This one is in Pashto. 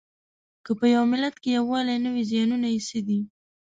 که په یوه ملت کې یووالی نه وي زیانونه یې څه دي؟